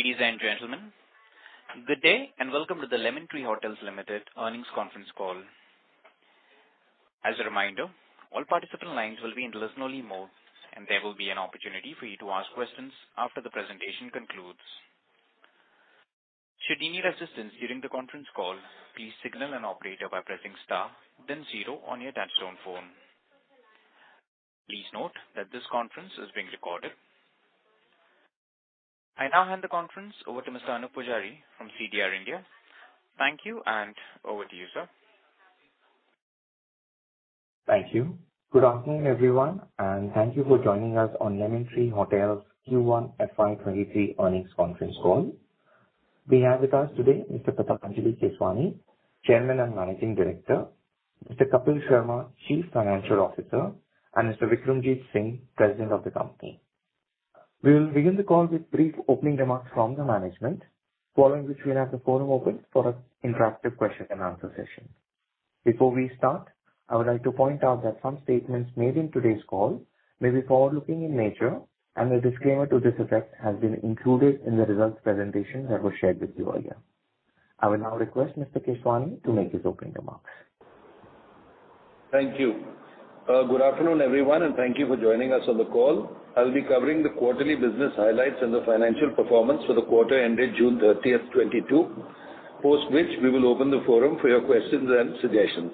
Ladies and gentlemen, good day, and welcome to the Lemon Tree Hotels Limited earnings conference call. As a reminder, all participant lines will be in listen-only mode, and there will be an opportunity for you to ask questions after the presentation concludes. Should you need assistance during the conference call, please signal an operator by pressing star then zero on your touchtone phone. Please note that this conference is being recorded. I now hand the conference over to Mr. Anuj Pujari from CDR India. Thank you, and over to you, sir. Thank you. Good afternoon, everyone, and thank you for joining us on Lemon Tree Hotels Q1 FY 2023 earnings conference call. We have with us today Mr. Patanjali Keswani, Chairman and Managing Director, Mr. Kapil Sharma, Chief Financial Officer, and Mr. Vikramjit Singh, President of the company. We will begin the call with brief opening remarks from the management, following which we'll have the forum open for an interactive Q&A session. Before we start, I would like to point out that some statements made in today's call may be forward-looking in nature, and a disclaimer to this effect has been included in the results presentation that was shared with you earlier. I will now request Mr. Keswani to make his opening remarks. Thank you. Good afternoon, everyone, and thank you for joining us on the call. I will be covering the quarterly business highlights and the financial performance for the quarter ended June 30th, 2022, post which we will open the forum for your questions and suggestions.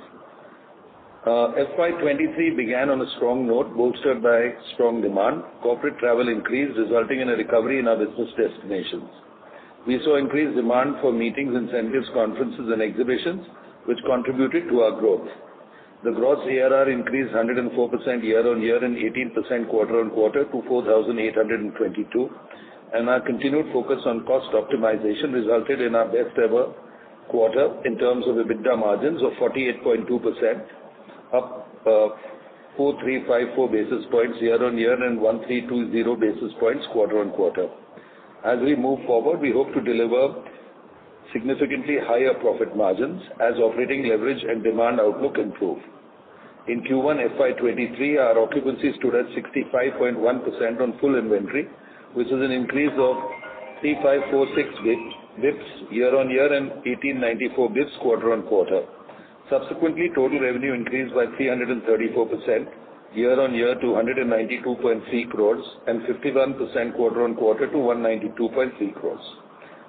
FY 2023 began on a strong note bolstered by strong demand. Corporate travel increased, resulting in a recovery in our business destinations. We saw increased demand for meetings, incentives, conferences, and exhibitions which contributed to our growth. The gross ARR increased 104% year-on-year and 18% quarter-on-quarter to 4,822, and our continued focus on cost optimization resulted in our best ever quarter in terms of EBITDA margins of 48.2%, up 4,354 basis points year-on-year and 1,320 basis points quarter-on-quarter. As we move forward, we hope to deliver significantly higher profit margins as operating leverage and demand outlook improve. In Q1 FY 2023, our occupancy stood at 65.1% on full inventory, which is an increase of 3546 basis points year-on-year and 1894 basis points quarter-on-quarter. Subsequently, total revenue increased by 334% year-on-year to 192.3 crores and 51% quarter-on-quarter to 192.3 crores.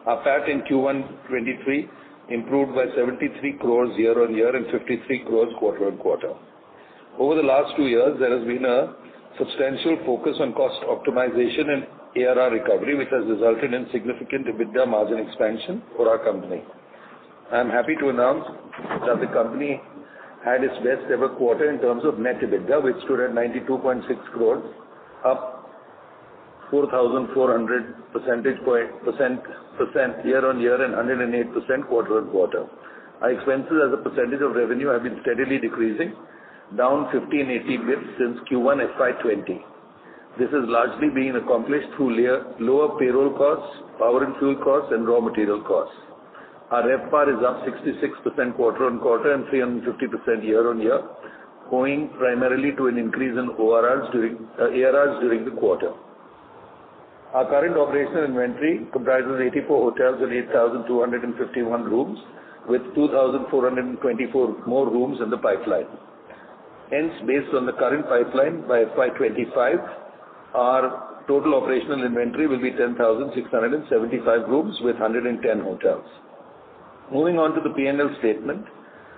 Our PAT in Q1 2023 improved by 73 crores year-on-year and 53 crores quarter-on-quarter. Over the last two years, there has been a substantial focus on cost optimization and ARR recovery, which has resulted in significant EBITDA margin expansion for our company. I am happy to announce that the company had its best ever quarter in terms of net EBITDA, which stood at 92.6 crores, up 4,400% year-on-year and 108% quarter-on-quarter. Our expenses as a percentage of revenue have been steadily decreasing, down 1,580 basis points since Q1 FY 2020. This has largely been accomplished through lower payroll costs, power and fuel costs, and raw material costs. Our RevPAR is up 66% quarter-on-quarter and 350% year-on-year, owing primarily to an increase in ARRs during the quarter. Our current operational inventory comprises 84 hotels and 8,251 rooms with 2,424 more rooms in the pipeline. Hence, based on the current pipeline, by FY 25, our total operational inventory will be 10,675 rooms with 110 hotels. Moving on to the P&L statement,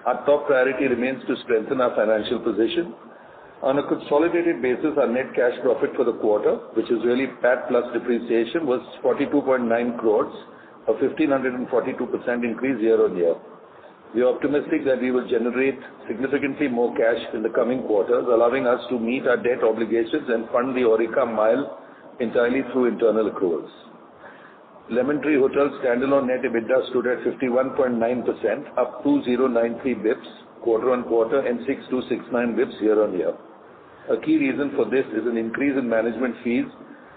our top priority remains to strengthen our financial position. On a consolidated basis, our net cash profit for the quarter, which is really PAT plus depreciation, was 42.9 crores, a 1,542% increase year-on-year. We are optimistic that we will generate significantly more cash in the coming quarters, allowing us to meet our debt obligations and fund the Aurika Mumbai entirely through internal accruals. Lemon Tree Hotels standalone net EBITDA stood at 51.9%, up 2,093 basis points quarter-on-quarter and 6,269 basis points year-on-year. A key reason for this is an increase in management fees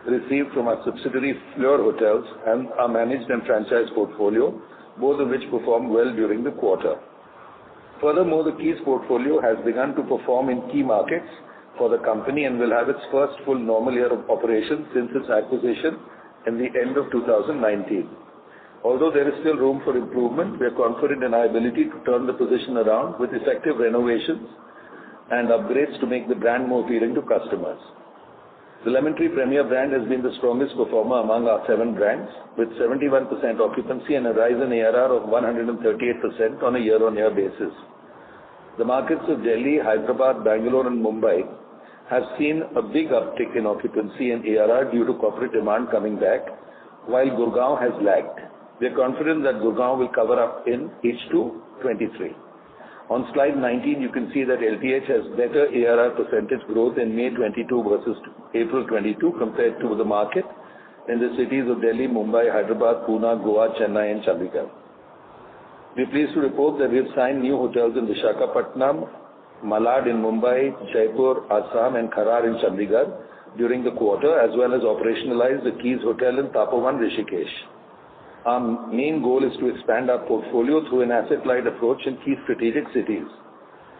received from our subsidiary Fleur Hotels and our managed and franchised portfolio, both of which performed well during the quarter. Furthermore, the Keys portfolio has begun to perform in key markets for the company and will have its first full normal year of operations since its acquisition in the end of 2019. Although there is still room for improvement, we are confident in our ability to turn the position around with effective renovations and upgrades to make the brand more appealing to customers. The Lemon Tree Premier brand has been the strongest performer among our seven brands, with 71% occupancy and a rise in ARR of 138% on a year-on-year basis. The markets of Delhi, Hyderabad, Bangalore, and Mumbai have seen a big uptick in occupancy and ARR due to corporate demand coming back, while Gurgaon has lagged. We are confident that Gurgaon will catch up in H2 2023. On slide 19, you can see that LTH has better ARR percentage growth in May 2022 versus April 2022 compared to the market in the cities of Delhi, Mumbai, Hyderabad, Pune, Goa, Chennai, and Chandigarh. We are pleased to report that we have signed new hotels in Visakhapatnam, Malad in Mumbai, Jaipur, Assam, and Kharar in Chandigarh during the quarter, as well as operationalized the Keys hotel in Tapovan, Rishikesh. Our main goal is to expand our portfolio through an asset-light approach in key strategic cities.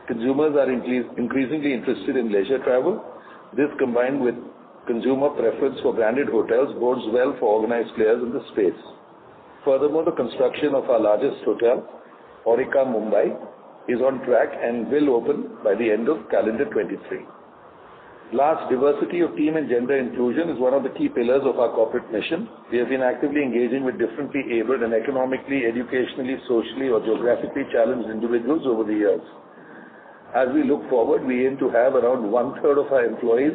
Consumers are increasingly interested in leisure travel. This combined with consumer preference for branded hotels bodes well for organized players in the space. Furthermore, the construction of our largest hotel, Aurika, Mumbai International Airport, is on track and will open by the end of calendar 2023. Last, diversity of team and gender inclusion is one of the key pillars of our corporate mission. We have been actively engaging with differently-abled and economically, educationally, socially, or geographically challenged individuals over the years. As we look forward, we aim to have around one third of our employees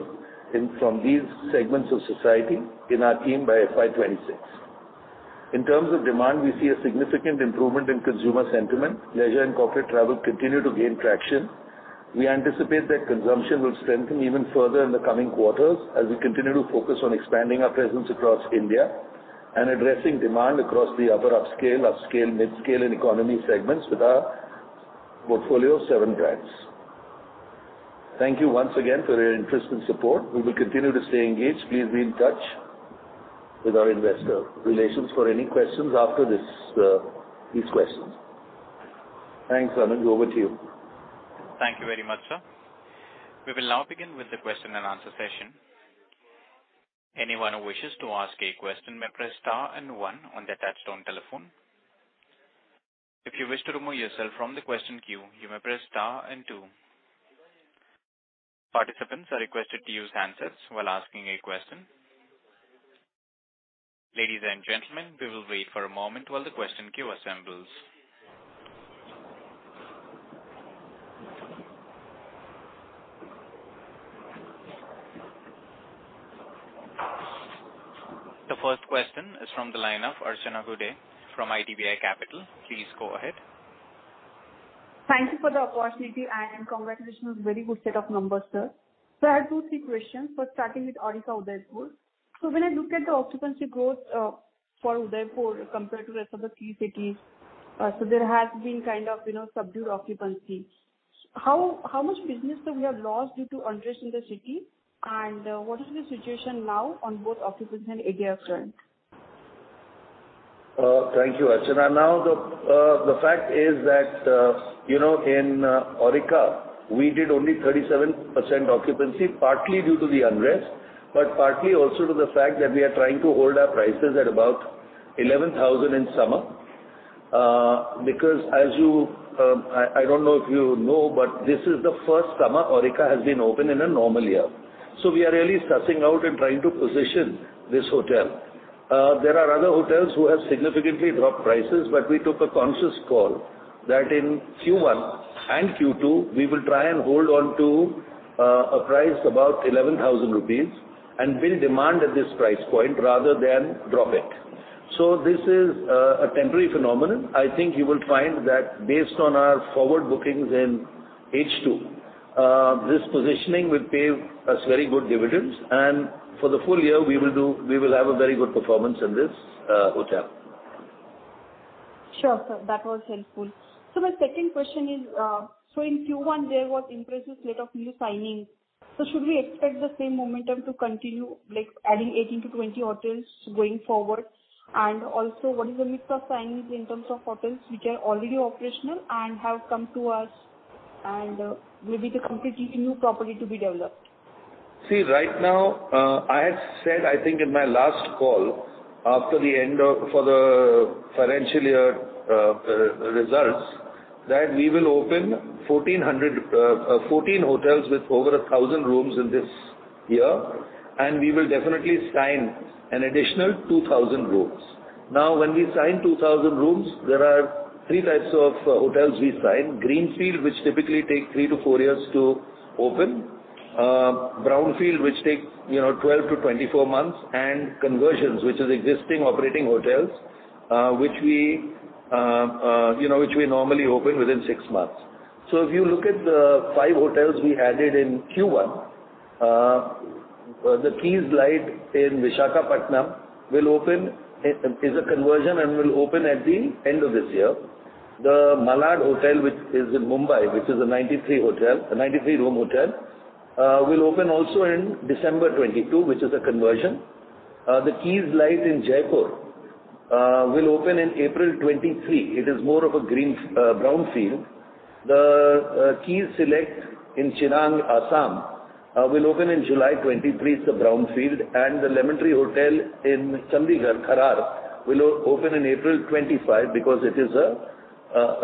from these segments of society in our team by FY 2026. In terms of demand, we see a significant improvement in consumer sentiment. Leisure and corporate travel continue to gain traction. We anticipate that consumption will strengthen even further in the coming quarters as we continue to focus on expanding our presence across India and addressing demand across the upper upscale, mid-scale, and economy segments with our portfolio of seven brands. Thank you once again for your interest and support. We will continue to stay engaged. Please be in touch with our investor relations for any questions after this, these questions. Thanks, Anuj. Over to you. Thank you very much, sir. We will now begin with the Q&A session. Anyone who wishes to ask a question may press star and one on their touchtone telephone. If you wish to remove yourself from the question queue, you may press star and two. Participants are requested to use handsets while asking a question. Ladies and gentlemen, we will wait for a moment while the question queue assembles. The first question is from the line of Archana Gude from IDBI Capital. Please go ahead. Thank you for the opportunity, and congratulations. Very good set of numbers, sir. I have two, three questions, but starting with Aurika, Udaipur. When I look at the occupancy growth for Udaipur compared to rest of the key cities, there has been kind of, you know, subdued occupancy. How much business have we lost due to unrest in the city? What is the situation now on both occupancy and ADR front? Thank you, Archana. Now the fact is that you know, in Aurika, we did only 37% occupancy, partly due to the unrest, but partly also to the fact that we are trying to hold our prices at about 11,000 in summer. Because as you, I don't know if you know, but this is the first summer Aurika has been open in a normal year. We are really stressing out and trying to position this hotel. There are other hotels who have significantly dropped prices, but we took a conscious call that in Q1 and Q2 we will try and hold on to a price above 11,000 rupees and build demand at this price point rather than drop it. This is a temporary phenomenon. I think you will find that based on our forward bookings in H2, this positioning will pay us very good dividends. For the full year we will have a very good performance in this hotel. Sure, sir. That was helpful. My second question is, so in Q1 there was impressive slate of new signings. Should we expect the same momentum to continue, like adding 18-20 hotels going forward? And also what is the mix of signings in terms of hotels which are already operational and have come to us and will be the completely new property to be developed? See, right now, I had said, I think in my last call, after the end of the financial year results, that we will open 14 hotels with over 1,000 rooms in this year, and we will definitely sign an additional 2,000 rooms. Now, when we sign 2,000 rooms, there are three types of hotels we sign: greenfield, which typically take three to four years to open, brownfield, which take, you know, 12-24 months, and conversions, which is existing operating hotels, which we normally open within six months. If you look at the five hotels we added in Q1, the Keys Lite in Visakhapatnam is a conversion and will open at the end of this year. The Malad Hotel, which is in Mumbai, which is a 93-room hotel, will open also in December 2022, which is a conversion. The Keys Lite in Jaipur will open in April 2023. It is more of a brownfield. The Keys Select in Chirang, Assam, will open in July 2023. It's a brownfield. The Lemon Tree hotel in Chandigarh, Kharar, will open in April 2025 because it is a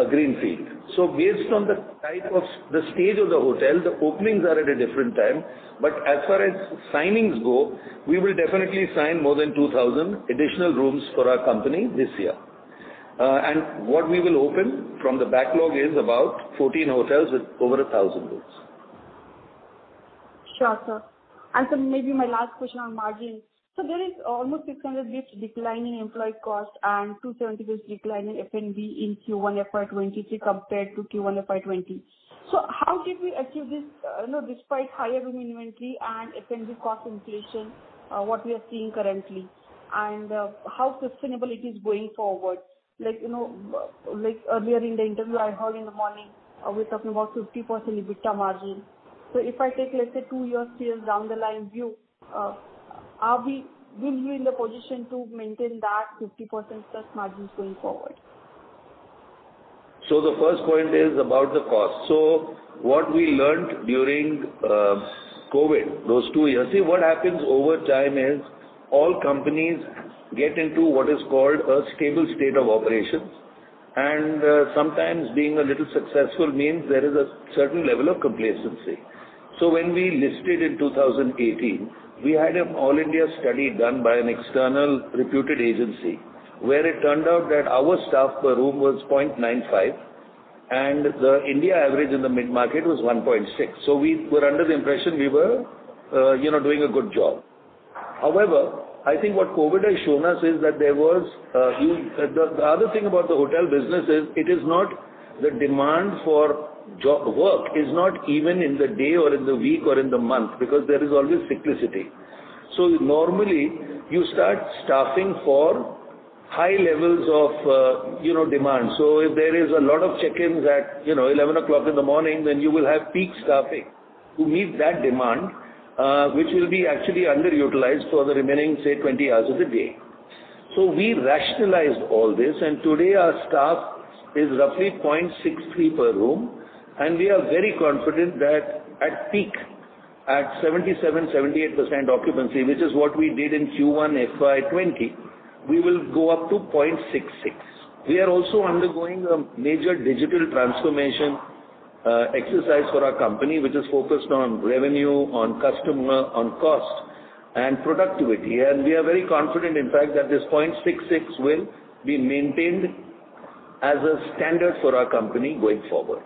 greenfield. Based on the type of the stage of the hotel, the openings are at a different time. As far as signings go, we will definitely sign more than 2,000 additional rooms for our company this year. What we will open from the backlog is about 14 hotels with over 1,000 rooms. Sure, sir. Maybe my last question on margin. There is almost 600 basis points decline in employee cost and 270 basis points decline in F&B in Q1 FY2023 compared to Q1 FY2020. How did we achieve this, you know, despite higher room inventory and F&B cost inflation, what we are seeing currently, and, how sustainable it is going forward? Like, you know, like earlier in the interview I heard in the morning, we're talking about 50% EBITDA margin. If I take, let's say, two-year sales down the line view, will you be in the position to maintain that 50% plus margins going forward? The first point is about the cost. What we learned during COVID, those two years. See, what happens over time is all companies get into what is called a stable state of operations. And sometimes being a little successful means there is a certain level of complacency. When we listed in 2018, we had an all-India study done by an external reputed agency, where it turned out that our staff per room was 0.95, and the India average in the mid-market was 1.6. We were under the impression we were, you know, doing a good job. However, I think what COVID has shown us is that there was the other thing about the hotel business is it is not the demand for work is not even in the day or in the week or in the month, because there is always cyclicity. Normally you start staffing for high levels of demand. If there is a lot of check-ins at 11:00 A.M., then you will have peak staffing to meet that demand, which will be actually underutilized for the remaining, say, 20 hours of the day. We rationalized all this, and today our staff is roughly 0.63 per room, and we are very confident that at peak, at 77%-78% occupancy, which is what we did in Q1 FY2020, we will go up to 0.66. We are also undergoing a major digital transformation, exercise for our company, which is focused on revenue, on customer, on cost and productivity. We are very confident, in fact, that this 0.66 will be maintained as a standard for our company going forward.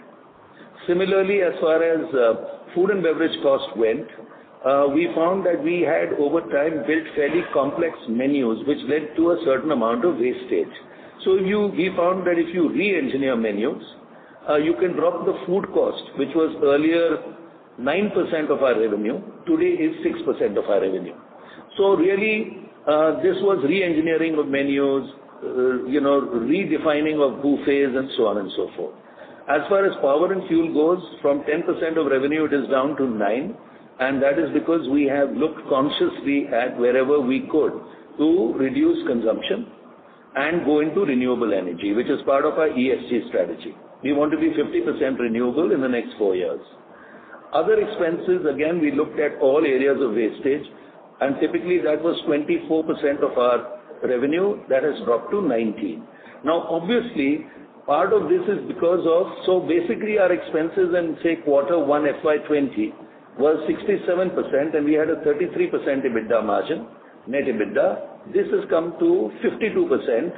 Similarly, as far as, food and beverage cost went, we found that we had over time built fairly complex menus which led to a certain amount of wastage. We found that if you re-engineer menus, you can drop the food cost, which was earlier 9% of our revenue, today is 6% of our revenue. Really, this was re-engineering of menus, you know, redefining of buffets and so on and so forth. As far as power and fuel goes, from 10% of revenue it is down to 9%, and that is because we have looked consciously at wherever we could to reduce consumption and go into renewable energy, which is part of our ESG strategy. We want to be 50% renewable in the next four years. Other expenses, again, we looked at all areas of wastage, and typically that was 24% of our revenue. That has dropped to 19%. Now, obviously, part of this is because of. So basically our expenses in, say, quarter one FY 2020 was 67%, and we had a 33% EBITDA margin, net EBITDA. This has come to 52%,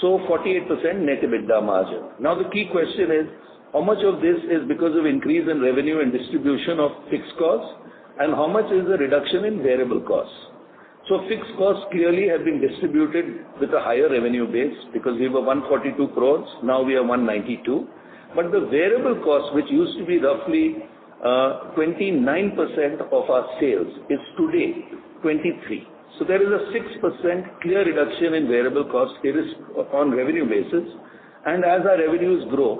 so 48% net EBITDA margin. Now, the key question is how much of this is because of increase in revenue and distribution of fixed costs, and how much is the reduction in variable costs? Fixed costs clearly have been distributed with a higher revenue base because we were 142 crores, now we are 192 crores. The variable cost, which used to be roughly 29% of our sales is today 23%. There is a 6% clear reduction in variable costs. It is upon revenue basis. As our revenues grow,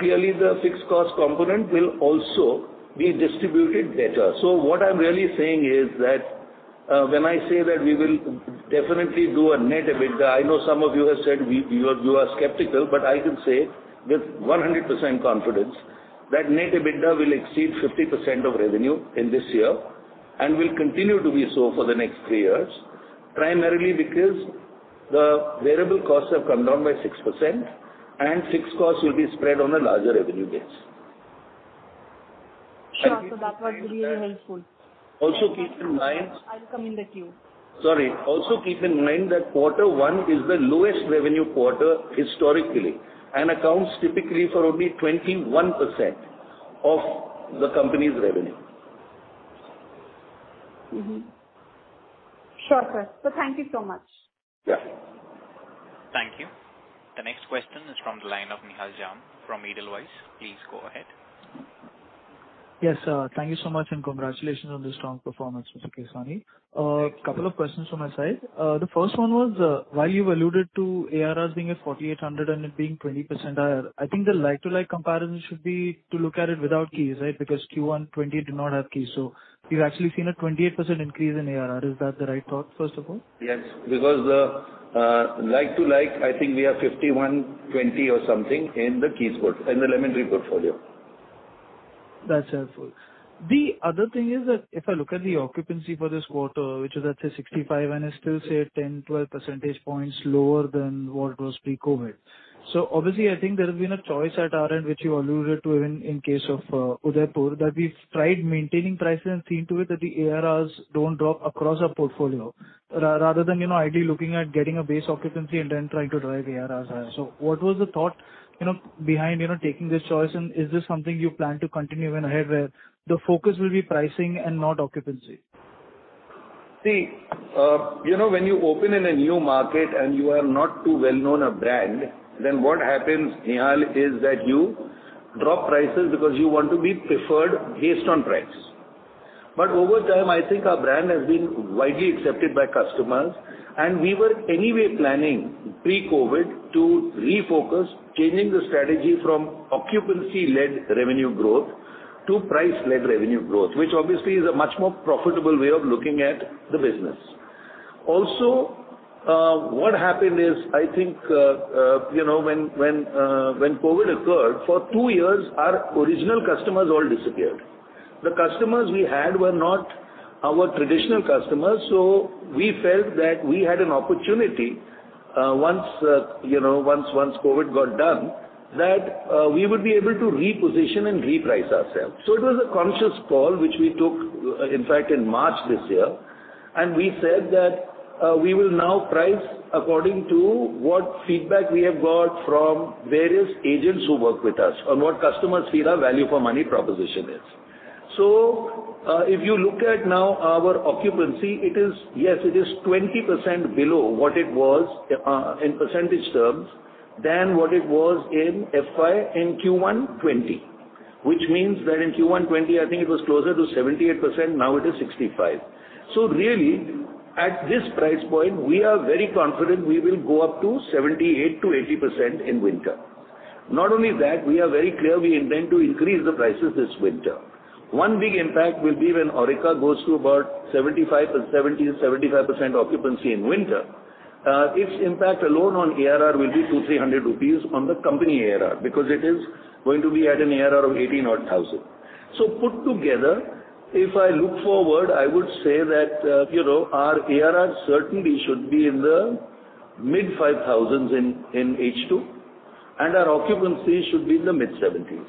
clearly the fixed cost component will also be distributed better. What I'm really saying is that, when I say that we will definitely do a net EBITDA, I know some of you have said you are skeptical, but I can say with 100% confidence that net EBITDA will exceed 50% of revenue in this year and will continue to be so for the next three years, primarily because the variable costs have come down by 6% and fixed costs will be spread on a larger revenue base. Sure. That was really helpful. Also keep in mind. I'll come in the queue. Sorry. Also keep in mind that quarter one is the lowest revenue quarter historically and accounts typically for only 21% of the company's revenue. Sure, sir. Thank you so much. Yeah. Thank you. The next question is from the line of Nihal Jham from Edelweiss. Please go ahead. Yes, thank you so much, and congratulations on the strong performance, Mr. Keswani. A couple of questions from my side. The first one was, while you've alluded to ARRs being at 4,800 and it being 20% higher, I think the like-to-like comparison should be to look at it without Keys, right? Because Q1 2020 did not have Keys. You've actually seen a 28% increase in ARR. Is that the right thought, first of all? Yes, because the like-for-like, I think we are 5,120 or something in the Keys portfolio in the Lemon Tree portfolio. That's helpful. The other thing is that if I look at the occupancy for this quarter, which is at, say, 65%, and it's still, say, 10, 12 percentage points lower than what it was pre-COVID. Obviously, I think there has been a choice at RM, which you alluded to in case of Udaipur, that we've tried maintaining prices and seen to it that the ARRs don't drop across our portfolio rather than, you know, ideally looking at getting a base occupancy and then trying to drive ARRs higher. What was the thought, you know, behind, you know, taking this choice, and is this something you plan to continue even ahead, where the focus will be pricing and not occupancy? See, you know, when you open in a new market and you are not too well-known a brand, then what happens, Nihal, is that you drop prices because you want to be preferred based on price. Over time, I think our brand has been widely accepted by customers, and we were anyway planning pre-COVID to refocus, changing the strategy from occupancy-led revenue growth to price-led revenue growth, which obviously is a much more profitable way of looking at the business. Also, what happened is, I think, you know, when COVID occurred, for two years our original customers all disappeared. The customers we had were not our traditional customers, so we felt that we had an opportunity, once you know, COVID got done, that we would be able to reposition and reprice ourselves. It was a conscious call which we took, in fact, in March this year, and we said that we will now price according to what feedback we have got from various agents who work with us on what customers feel our value for money proposition is. If you look at now our occupancy, it is, yes, it is 20% below what it was, in percentage terms than what it was in FY in Q1 2020, which means that in Q1 2020, I think it was closer to 78%, now it is 65%. Really, at this price point, we are very confident we will go up to 78%-80% in winter. Not only that, we are very clear we intend to increase the prices this winter. One big impact will be when Aurika goes to about 70%-75% occupancy in winter. Its impact alone on ARR will be 200-300 rupees on the company ARR because it is going to be at an ARR of 18,000. Put together, if I look forward, I would say that, you know, our ARR certainly should be in the mid-5,000s in H2, and our occupancy should be in the mid-70s,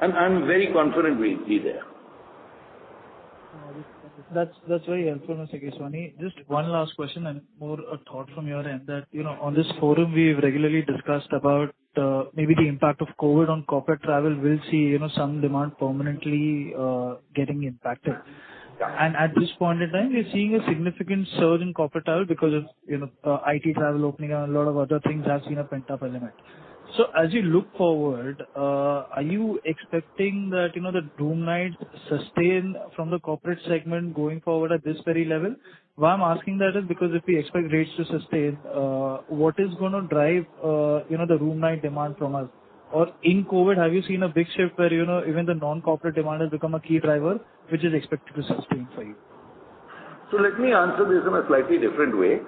and I'm very confident we'll be there. That's very helpful, Mr. Keswani. Just one last question and more a thought from your end that, you know, on this forum we've regularly discussed about, maybe the impact of COVID on corporate travel. We'll see, you know, some demand permanently getting impacted. At this point in time, we're seeing a significant surge in corporate travel because of, you know, IT travel opening and a lot of other things have seen a pent-up element. As you look forward, are you expecting that, you know, the room nights sustain from the corporate segment going forward at this very level? Why I'm asking that is because if we expect rates to sustain, what is gonna drive, you know, the room night demand from us? In COVID, have you seen a big shift where, you know, even the non-corporate demand has become a key driver which is expected to sustain for you? Let me answer this in a slightly different way.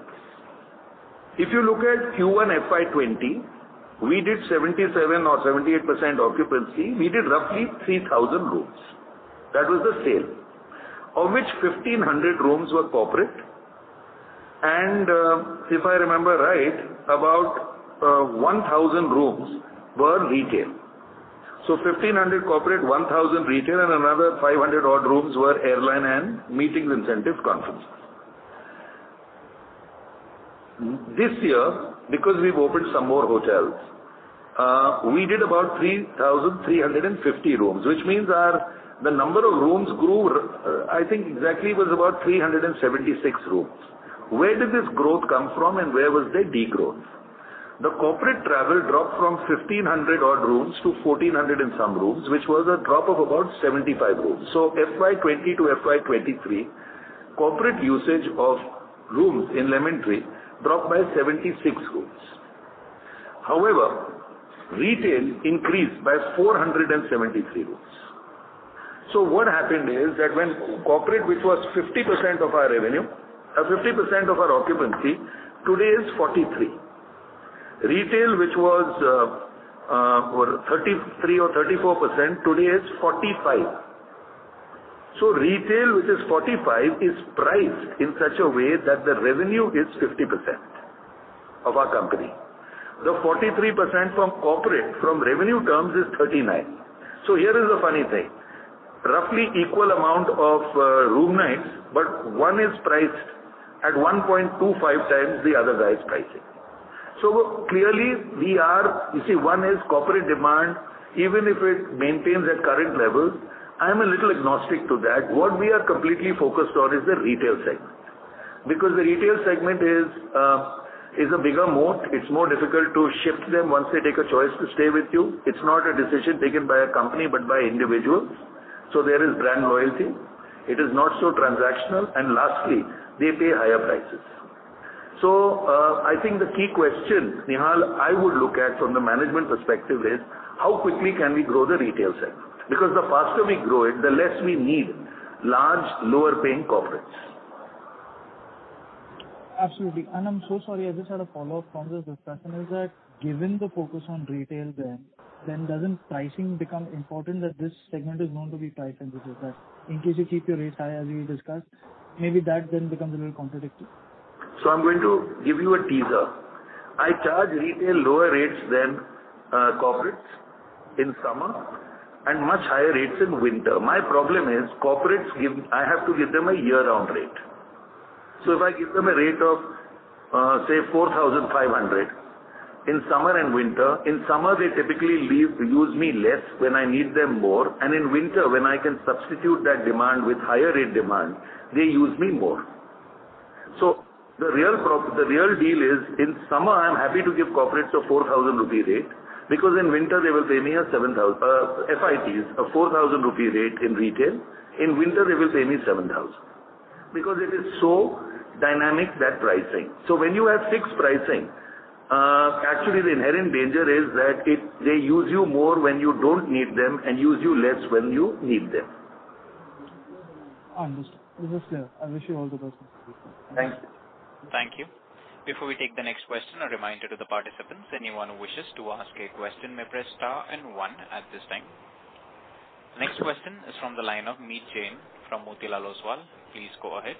If you look at Q1 FY 2020, we did 77% or 78% occupancy. We did roughly 3,000 rooms. That was the sale. Of which 1,500 rooms were corporate. If I remember right, about 1,000 rooms were retail. Fifteen hundred corporate, 1,000 retail, and another 500-odd rooms were airline and meetings, incentives, conferences. This year, because we've opened some more hotels, we did about 3,350 rooms, which means the number of rooms grew. I think exactly it was about 376 rooms. Where did this growth come from and where was the degrowth? The corporate travel dropped from 1,500-odd rooms to 1,400 and some rooms, which was a drop of about 75 rooms. FY 2020 to FY 2023, corporate usage of rooms in Lemon Tree dropped by 76 rooms. However, retail increased by 473 rooms. What happened is that when corporate, which was 50% of our revenue, 50% of our occupancy today is 43%. Retail, which was 33 or 34% today is 45%. Retail, which is 45%, is priced in such a way that the revenue is 50% of our company. The 43% from corporate from revenue terms is 39%. Here is the funny thing. Roughly equal amount of room nights, but one is priced at 1.25x the other guy's pricing. Clearly we are, you see, one is corporate demand. Even if it maintains at current levels, I am a little agnostic to that. What we are completely focused on is the retail segment. Because the retail segment is a bigger moat. It's more difficult to shift them once they take a choice to stay with you. It's not a decision taken by a company but by individuals. So there is brand loyalty. It is not so transactional. And lastly, they pay higher prices. So, I think the key question, Nihal, I would look at from the management perspective is how quickly can we grow the retail segment? Because the faster we grow it, the less we need large lower-paying corporates. Absolutely. I'm so sorry. I just had a follow-up from the discussion is that given the focus on retail then, doesn't pricing become important that this segment is known to be price-sensitive, that in case you keep your rates high as we discussed, maybe that then becomes a little contradictory. I'm going to give you a teaser. I charge retail lower rates than corporates in summer and much higher rates in winter. My problem is I have to give them a year-round rate. If I give them a rate of, say, 4,500 in summer and winter, in summer they typically use me less when I need them more, and in winter when I can substitute that demand with higher rate demand, they use me more. The real deal is in summer, I'm happy to give corporates an 4,000 rupee rate because in winter they will pay me FITs an 4,000 rupee rate in retail. In winter they will pay me 7,000. Because it is so dynamic, that pricing. When you have fixed pricing, actually the inherent danger is that they use you more when you don't need them and use you less when you need them. I understand. This is clear. I wish you all the best. Thank you. Thank you. Before we take the next question, a reminder to the participants, anyone who wishes to ask a question may press star and one at this time. Next question is from the line of Meet Jain from Motilal Oswal. Please go ahead.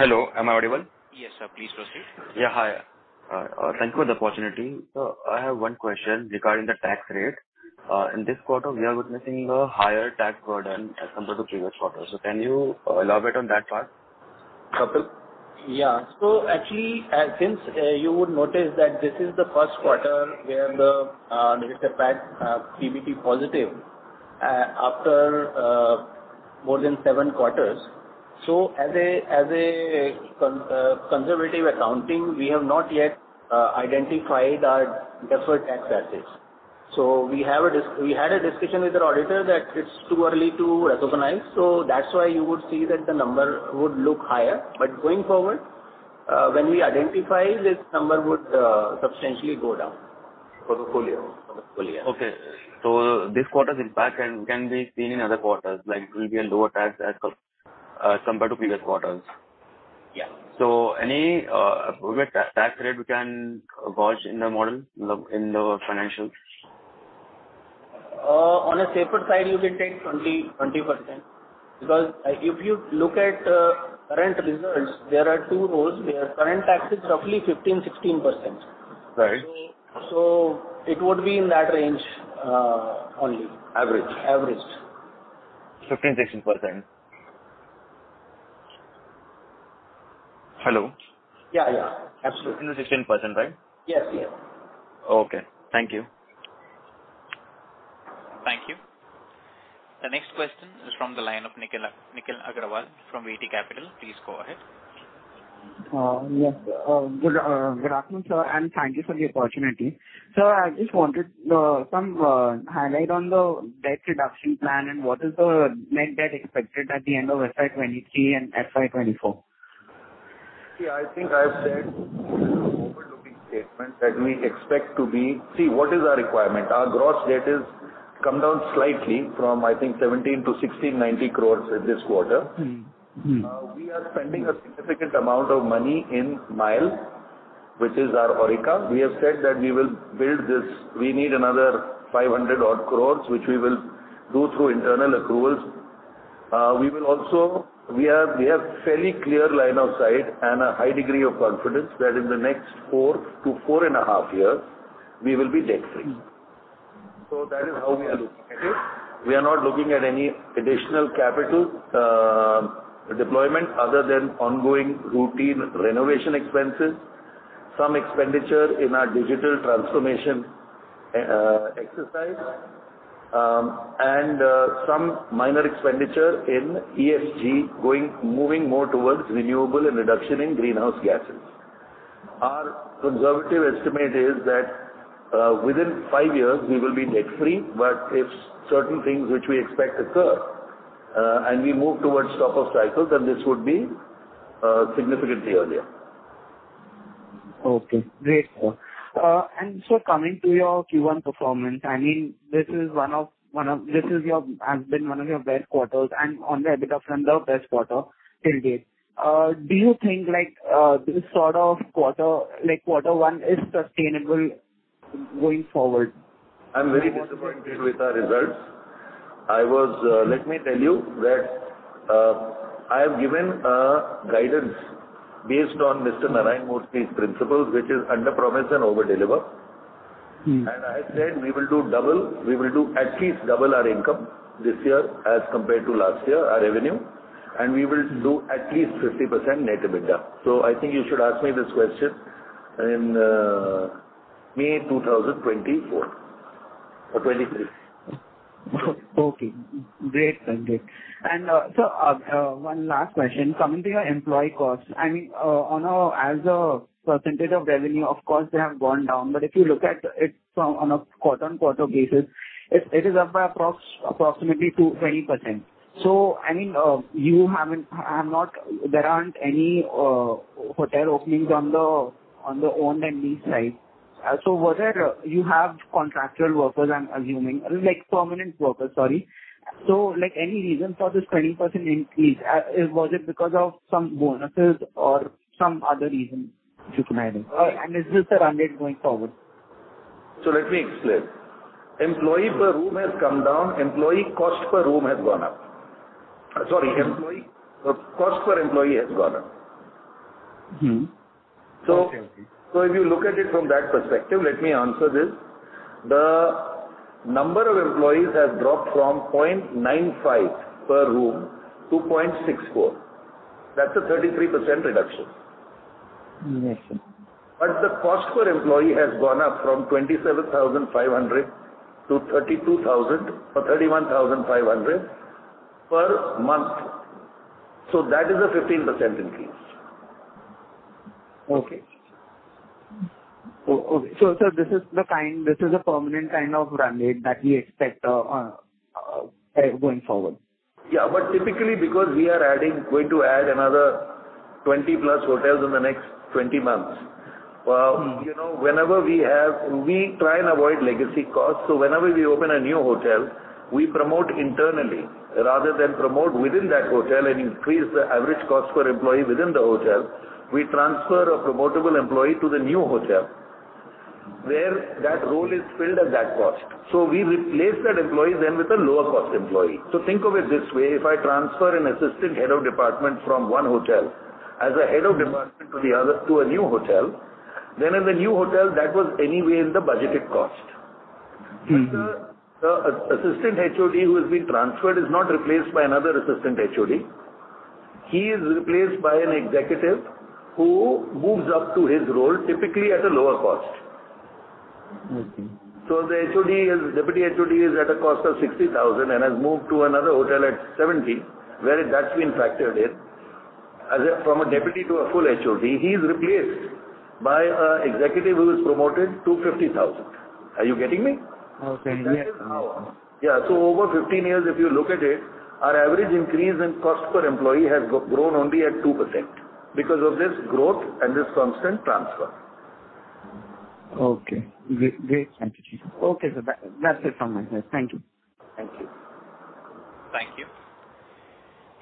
Hello, am I audible? Yes, sir. Please proceed. Hi. Thank you for the opportunity. I have one question regarding the tax rate. In this quarter we are witnessing a higher tax burden as compared to previous quarters. Can you elaborate on that part? Kapil? Yeah. Actually, since you would notice that this is the first quarter where there is a tax PBT positive after more than seven quarters. As a conservative accounting, we have not yet identified our deferred tax assets. We had a discussion with our auditor that it's too early to recognize, so that's why you would see that the number would look higher. But going forward, when we identify this number would substantially go down for the full year. For the full year. This quarter's impact can be seen in other quarters, like it will be a lower tax compared to previous quarters? Yeah. Any tax rate we can gauge in the model, in the financials? On a safer side, you can take 20% because if you look at current results, there are two rows where current tax is roughly 15%-16%. Right. It would be in that range only. Average. Average. 15%-16%. Hello? Yeah. Yeah. Absolutely. 15%-16%, right? Yes. Yeah. Okay. Thank you. Thank you. The next question is from the line of Nikhil Agarwal from VT Capital. Please go ahead. Good afternoon, sir, and thank you for the opportunity. Sir, I just wanted some highlight on the debt reduction plan and what is the net debt expected at the end of FY 2023 and FY 2024. See, I think I've said in the opening statement. See, what is our requirement? Our gross debt has come down slightly from, I think, 1,700 crore-1,690 crore this quarter. Mm-hmm. Mm-hmm. We are spending a significant amount of money in MIAL, which is our Aurika. We have said that we will build this. We need another 500-odd crore, which we will do through internal approvals. We have fairly clear line of sight and a high degree of confidence that in the next four to four and a half years we will be debt free. That is how we are looking at it. We are not looking at any additional capital deployment other than ongoing routine renovation expenses, some expenditure in our digital transformation exercise, and some minor expenditure in ESG going, moving more towards renewable and reduction in greenhouse gases. Our conservative estimate is that within five years we will be debt free, but if certain things which we expect occur and we move towards top of cycle, then this would be significantly earlier. Okay, great. Coming to your Q1 performance, I mean, this is one of your best quarters and on the EBITDA front, the best quarter till date. Do you think like, this sort of quarter, like quarter one is sustainable going forward? I'm very disappointed with our results. Let me tell you that I have given a guidance based on Mr. N. R. Narayana Murthy's principles, which is underpromise and overdeliver. Mm-hmm. I said, we will do double, we will do at least double our income this year as compared to last year, our revenue, and we will do at least 50% net EBITDA. I think you should ask me this question in May 2024, 2023. Okay, great. Sounds great. One last question. Coming to your employee costs, I mean, as a percentage of revenue, of course they have gone down, but if you look at it from on a quarter-on-quarter basis, it is up by approximately 2%-20%. I mean, you have not. There aren't any hotel openings on the owned and leased side. You have contractual workers, I'm assuming, like permanent workers. Sorry. Like any reason for this 20% increase, was it because of some bonuses or some other reason which you can add in? Is this a run rate going forward? Let me explain. Employee per room has come down, employee cost per room has gone up. Sorry, employee cost per employee has gone up. Mm-hmm. Okay. If you look at it from that perspective, let me answer this. The number of employees has dropped from 0.95 per room to 0.64. That's a 33% reduction. Yes, sir. The cost per employee has gone up from 27,500 to 32,000 or 31,500 per month. That is a 15% increase. Okay. Sir, this is a permanent kind of run rate that we expect, going forward? Yeah. Typically because we are going to add another 20+ hotels in the next 20 months. You know, we try and avoid legacy costs. Whenever we open a new hotel, we promote internally. Rather than promote within that hotel and increase the average cost per employee within the hotel, we transfer a promotable employee to the new hotel, where that role is filled at that cost. We replace that employee then with a lower cost employee. Think of it this way, if I transfer an assistant head of department from one hotel as a head of department to the other, to a new hotel, then in the new hotel that was anyway in the budgeted cost. Mm-hmm. The assistant HOD who has been transferred is not replaced by another assistant HOD. He is replaced by an executive who moves up to his role, typically at a lower cost. Okay. The deputy HOD is at a cost of 60,000 and has moved to another hotel at 70,000, where that's been factored in. From a deputy to a full HOD, he is replaced by an executive who is promoted to 50,000. Are you getting me? Okay. Yes, now. Yeah. Over 15 years, if you look at it, our average increase in cost per employee has grown only at 2% because of this growth and this constant transfer. Okay. Great. Thank you. Okay, sir. That's it from my side. Thank you. Thank you. Thank you.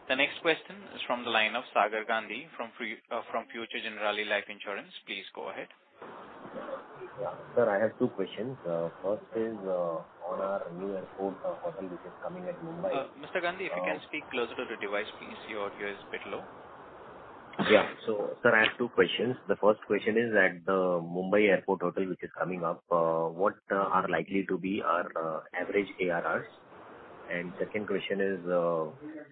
The next question is from the line of Sagar Gandhi from Future Generali Life Insurance. Please go ahead. Yeah. Sir, I have two questions. First is on our new airport hotel which is coming at Mumbai. Mr. Gandhi, if you can speak closer to the device, please. Your audio is a bit low. Yeah. Sir, I have two questions. The first question is, at the Mumbai Airport hotel which is coming up, what are likely to be our average ARRs? Second question is,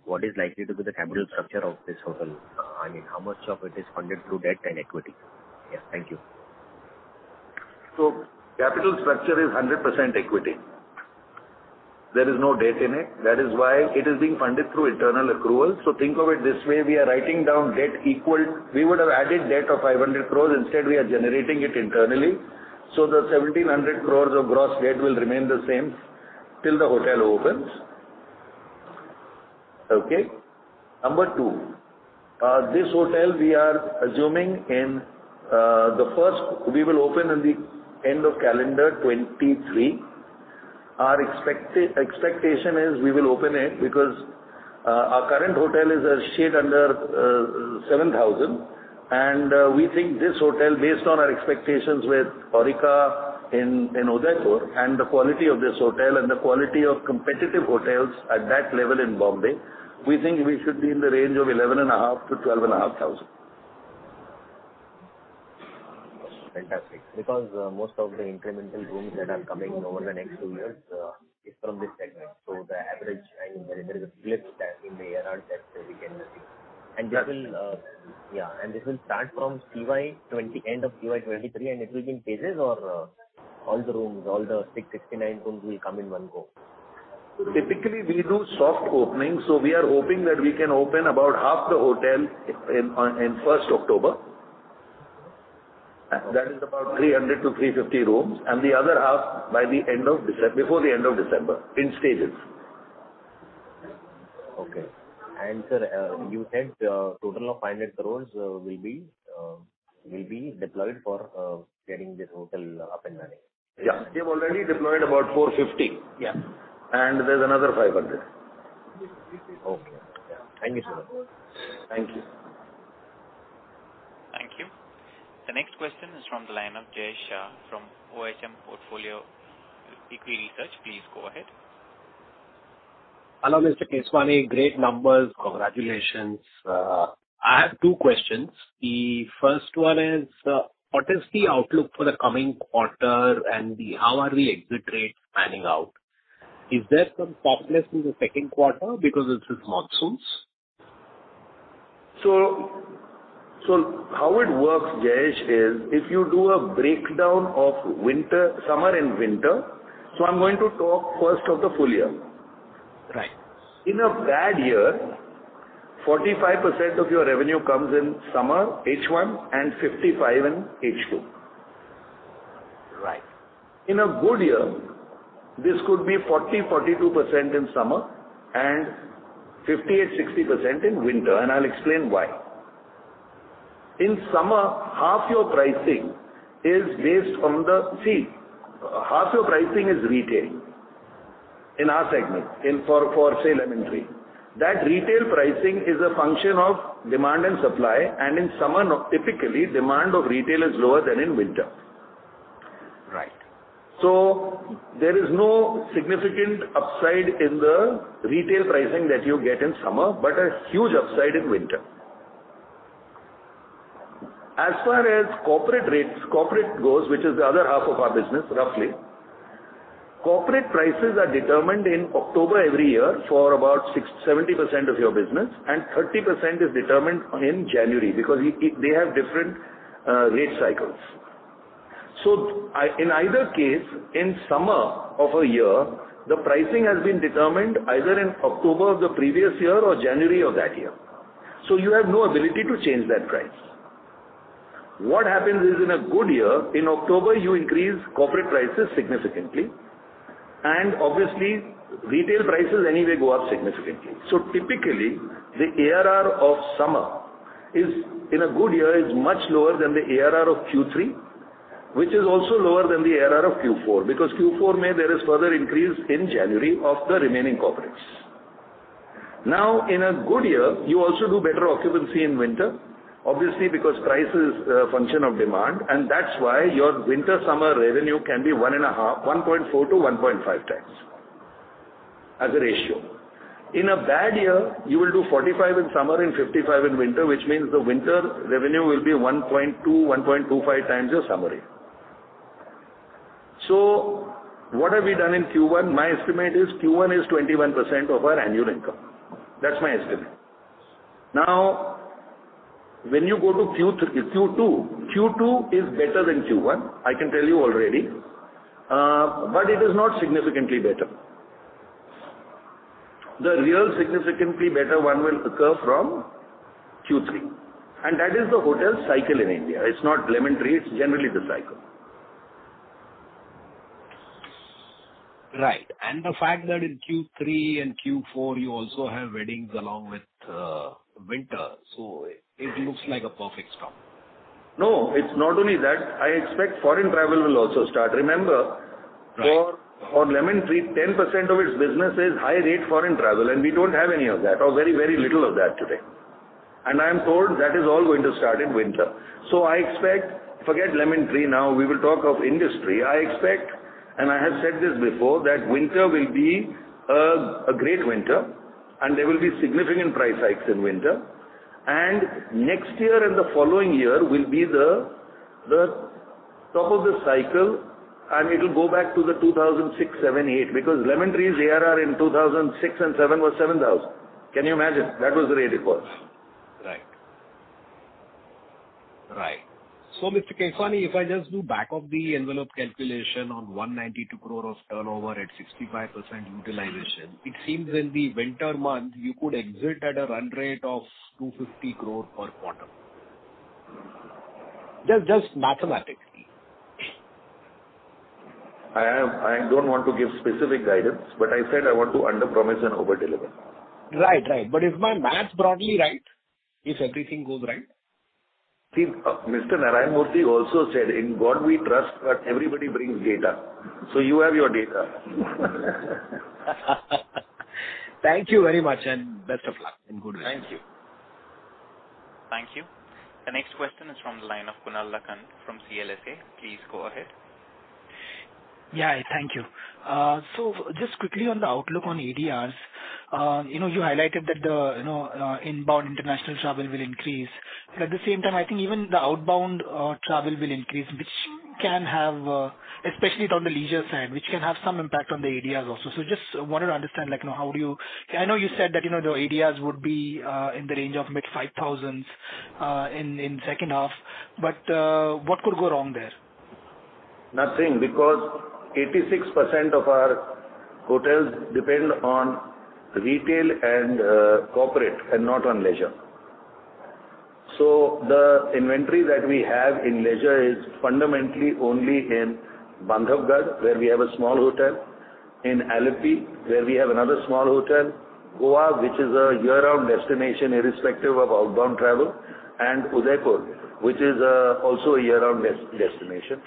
what is likely to be the capital structure of this hotel? I mean, how much of it is funded through debt and equity? Yes. Thank you. Capital structure is 100% equity. There is no debt in it. That is why it is being funded through internal accrual. Think of it this way, we are writing down debt. We would have added debt of 500 crore. Instead, we are generating it internally. The 1,700 crore of gross debt will remain the same till the hotel opens. Okay. Number two, this hotel we are assuming in the first, we will open in the end of calendar 2023. Our expectation is we will open it because our current hotel is a shade under 7,000. We think this hotel, based on our expectations with Aurika, Udaipur and the quality of this hotel and the quality of competitive hotels at that level in Bombay, we think we should be in the range of 11,500 -12,500. Fantastic. Because most of the incremental rooms that are coming over the next two years is from this segment. So the average, I mean, there is a split that in the ARR that we can see. This will start from end of CY 2023, and it will be in phases or all the 669 rooms will come in one go? Typically, we do soft opening, so we are hoping that we can open about half the hotel in first October. That is about 300-350 rooms, and the other half before the end of December in stages. Okay. Sir, you said total of 500 crores will be deployed for getting this hotel up and running. Yeah. We have already deployed about 450. Yeah. There's another 500. Okay. Thank you, sir. Thank you. Thank you. The next question is from the line of Jayesh Shah from OHM Portfolio Equity Research. Please go ahead. Hello, Mr. Keswani. Great numbers. Congratulations. I have two questions. The first one is, what is the outlook for the coming quarter and how are the exit rates panning out? Is there some softness in the second quarter because it is monsoons? How it works, Jayesh, is if you do a breakdown of winter, summer and winter. I'm going to talk first of the full year. Right. In a bad year, 45% of your revenue comes in summer, H1, and 55% in H2. Right. In a good year, this could be 40%-42% in summer and 58%-60% in winter. I'll explain why. In summer, half your pricing is retail in our segment, for, say, Lemon Tree. That retail pricing is a function of demand and supply, and in summer, typically, demand of retail is lower than in winter. Right. There is no significant upside in the retail pricing that you get in summer, but a huge upside in winter. As far as corporate rates go, which is the other half of our business, roughly. Corporate prices are determined in October every year for about 70% of your business, and 30% is determined in January because they have different rate cycles. In either case, in summer of a year, the pricing has been determined either in October of the previous year or January of that year. You have no ability to change that price. What happens is in a good year, in October you increase corporate prices significantly, and obviously retail prices anyway go up significantly. Typically, the ARR of summer is, in a good year, much lower than the ARR of Q3, which is also lower than the ARR of Q4 because Q4, maybe there is further increase in January of the remaining corporates. Now, in a good year, you also do better occupancy in winter, obviously because price is a function of demand and that's why your winter-summer revenue can be 1.5, 1.4-1.5x as a ratio. In a bad year, you will do 45% in summer and 55% in winter, which means the winter revenue will be 1.2, 1.25x your summer rate. What have we done in Q1? My estimate is Q1 is 21% of our annual income. That's my estimate. Now, when you go to Q2 is better than Q1, I can tell you already. It is not significantly better. The real significantly better one will occur from Q3, and that is the hotel cycle in India. It's not Lemon Tree, it's generally the cycle. Right. The fact that in Q3 and Q4 you also have weddings along with winter, so it looks like a perfect storm. No, it's not only that. I expect foreign travel will also start. Remember. Right. On Lemon Tree, 10% of its business is high rate foreign travel, and we don't have any of that or very, very little of that today. I am told that is all going to start in winter. I expect, forget Lemon Tree now we will talk of industry, and I have said this before, that winter will be a great winter and there will be significant price hikes in winter. Next year and the following year will be the top of the cycle and it'll go back to the 2006, 2007, 2008, because Lemon Tree's ARR in 2006 and 2007 was 7,000. Can you imagine? That was the rate it was. Right. Mr. Keswani, if I just do back of the envelope calculation on 192 crore of turnover at 65% utilization, it seems in the winter month you could exit at a run rate of 250 crore per quarter. Just mathematically. I don't want to give specific guidance, but I said I want to underpromise and overdeliver. Right. Is my math broadly right, if everything goes right? See, Mr. Narayana Murthy also said, "In God we trust, but everybody brings data." You have your data. Thank you very much and best of luck and good night. Thank you. Thank you. The next question is from the line of Kunal Lakhan from CLSA. Please go ahead. Yeah, thank you. Just quickly on the outlook on ADRs, you know, you highlighted that the, you know, inbound international travel will increase, but at the same time, I think even the outbound travel will increase, which can have especially on the leisure side, which can have some impact on the ADRs also. Just wanted to understand, like, you know, how do you. I know you said that, you know, the ADRs would be in the range of mid INR 5,000s in second half, but what could go wrong there? Nothing, because 86% of our hotels depend on retail and corporate and not on leisure. The inventory that we have in leisure is fundamentally only in Bandhavgarh, where we have a small hotel, in Alleppey, where we have another small hotel, Goa, which is a year-round destination irrespective of outbound travel, and Udaipur, which is also a year-round destination.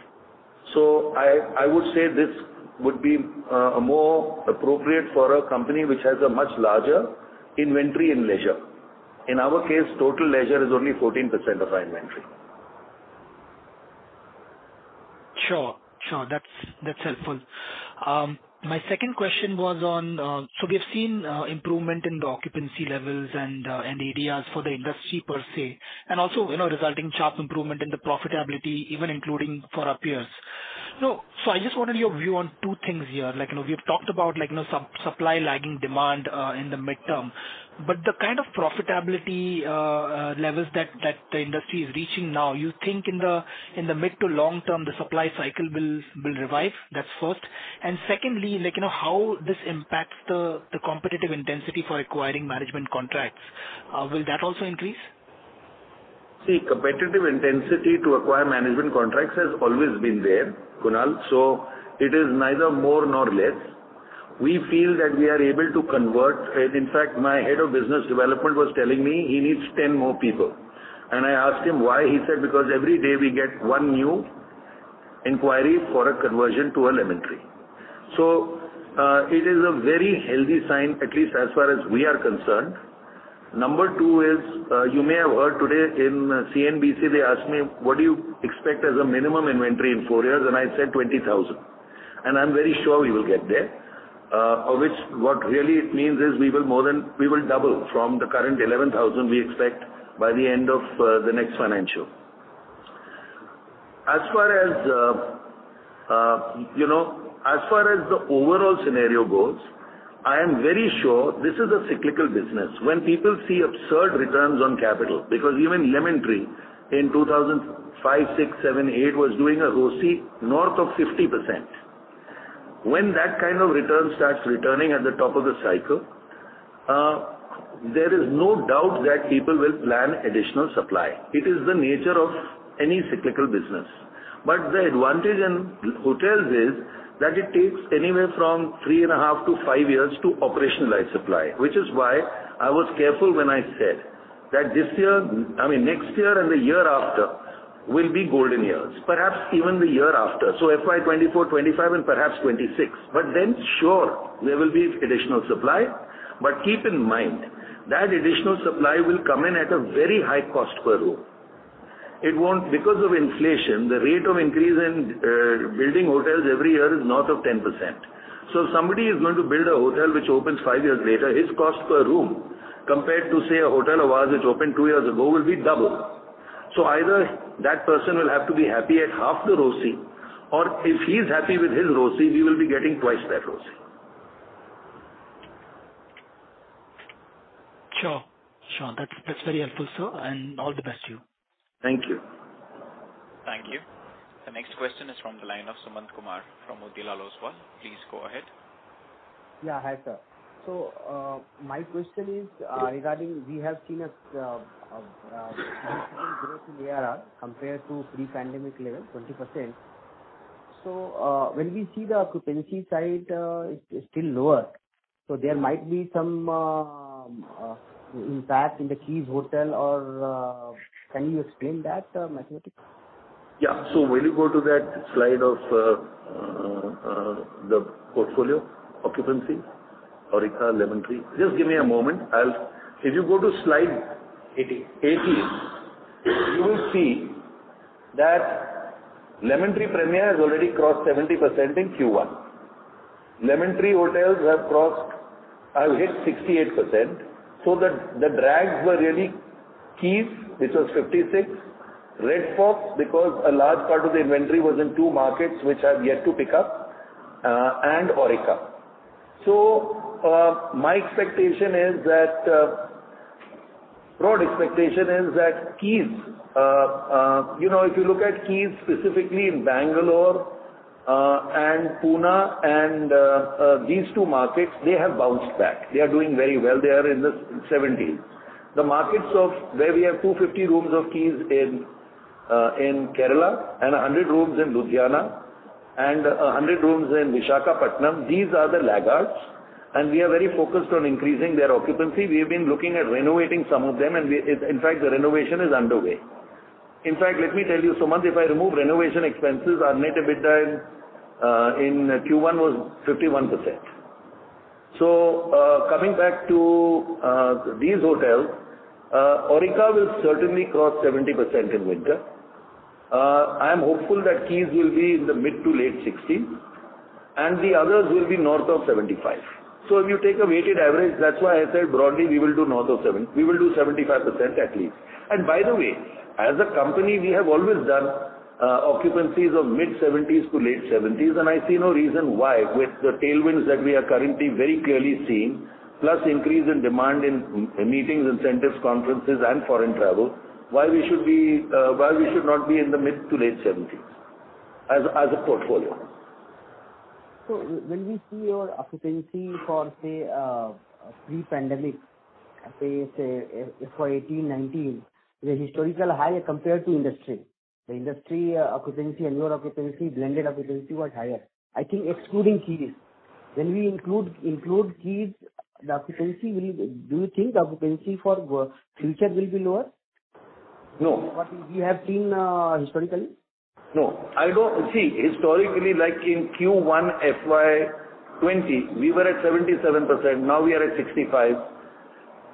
I would say this would be more appropriate for a company which has a much larger inventory in leisure. In our case, total leisure is only 14% of our inventory. Sure. That's helpful. My second question was on so we've seen improvement in the occupancy levels and ADRs for the industry per se, and also, you know, resulting sharp improvement in the profitability even including for our peers. I just wanted your view on two things here. Like, you know, we have talked about like, you know, supply lagging demand in the midterm, but the kind of profitability levels that the industry is reaching now, you think in the mid to long term, the supply cycle will revive? That's first. Secondly, like, you know, how this impacts the competitive intensity for acquiring management contracts. Will that also increase? See, competitive intensity to acquire management contracts has always been there, Kunal, so it is neither more nor less. We feel that we are able to convert. In fact, my head of business development was telling me he needs 10 more people. I asked him why. He said, "Because every day we get one new inquiry for a conversion to a Lemon Tree." It is a very healthy sign, at least as far as we are concerned. Number two is, you may have heard today in CNBC, they asked me, what do you expect as a minimum inventory in four years? I said 20,000. I'm very sure we will get there. What really it means is we will more than—we will double from the current 11,000 we expect by the end of the next financial. As far as you know, as far as the overall scenario goes, I am very sure this is a cyclical business. When people see absurd returns on capital, because even Lemon Tree in 2005, 2006, 2007, 2008 was doing a ROC north of 50%. When that kind of return starts returning at the top of the cycle, there is no doubt that people will plan additional supply. It is the nature of any cyclical business. The advantage in hotels is that it takes anywhere from three and a half to five years to operationalize supply, which is why I was careful when I said that this year, I mean, next year and the year after will be golden years, perhaps even the year after. FY24, 25 and perhaps 26. Sure, there will be additional supply. Keep in mind that additional supply will come in at a very high cost per room. It won't. Because of inflation, the rate of increase in building hotels every year is north of 10%. If somebody is going to build a hotel which opens five years later, his cost per room compared to, say, a hotel of ours which opened twoyears ago, will be double. Either that person will have to be happy at half the ROC, or if he's happy with his ROC, we will be getting twice that ROC. Sure. That's very helpful, sir. All the best to you. Thank you. Thank you. The next question is from the line of Sumant Kumar from Motilal Oswal. Please go ahead. Yeah. Hi, sir. My question is regarding we have seen a growth in ARR compared to pre-pandemic level, 20%. When we see the occupancy side, it's still lower, so there might be some impact in the Keys hotel or can you explain that mathematics? Yeah. Will you go to that slide of the portfolio occupancy, Aurika, Lemon Tree? Just give me a moment. If you go to slide- Eighty. 80, you will see that Lemon Tree Premier has already crossed 70% in Q1. Lemon Tree Hotels have hit 68%. The drags were really Keys, which was 56%, Red Fox, because a large part of the inventory was in two markets which have yet to pick up, and Aurika. My expectation is that broad expectation is that Keys, you know, if you look at Keys specifically in Bengaluru and Pune and these two markets, they have bounced back. They are doing very well. They are in the 70s. The markets where we have 250 rooms of Keys in Kerala and 100 rooms in Ludhiana and 100 rooms in Visakhapatnam, these are the laggards, and we are very focused on increasing their occupancy. We have been looking at renovating some of them and in fact the renovation is underway. In fact, let me tell you, Sumant, if I remove renovation expenses, our net EBITDA in Q1 was 51%. Coming back to these hotels, Aurika will certainly cross 70% in winter. I am hopeful that Keys will be in the mid- to late 60s, and the others will be north of 75%. If you take a weighted average, that's why I said broadly we will do 75% at least. By the way, as a company, we have always done occupancies of mid-70s% to late 70s%, and I see no reason why with the tailwinds that we are currently very clearly seeing, plus increase in demand in meetings, incentives, conferences and foreign travel, why we should not be in the mid- to late 70s% as a portfolio. When we see your occupancy for, say, pre-pandemic, say FY18, FY19, the historical high compared to industry, the industry occupancy and lower occupancy, blended occupancy was higher. I think excluding Keys. When we include Keys, the occupancy will. Do you think the occupancy for future will be lower? No. What we have seen, historically? See, historically like in Q1 FY 2020, we were at 77%. Now we are at 65%.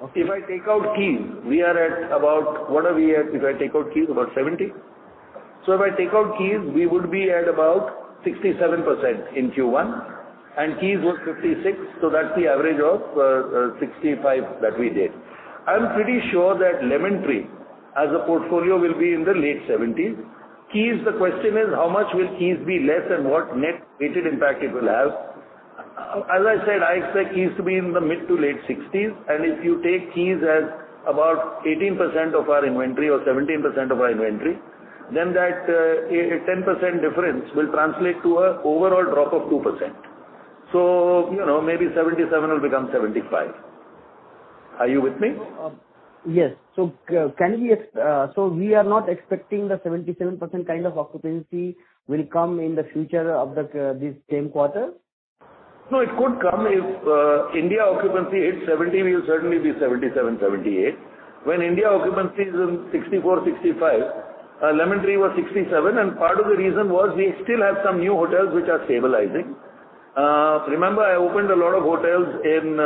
Okay. If I take out Keys, we are at about. What are we at if I take out Keys? About 70? If I take out Keys, we would be at about 67% in Q1, and Keys was 56, so that's the average of 65 that we did. I'm pretty sure that Lemon Tree as a portfolio will be in the late 70s. Keys, the question is how much will Keys be less and what net weighted impact it will have? As I said, I expect Keys to be in the mid- to late 60s. If you take Keys as about 18% of our inventory or 17% of our inventory, then that, a 10% difference will translate to an overall drop of 2%. So, you know, maybe 77 will become 75. Are you with me? Yes. We are not expecting the 77% kind of occupancy will come in the future this same quarter? No, it could come. If industry occupancy hits 70%, we will certainly be 77%-78%. When industry occupancy is in 64%-65%, Lemon Tree was 67%, and part of the reason was we still have some new hotels which are stabilizing. Remember I opened a lot of hotels in